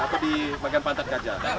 atau di bagian pantang gajah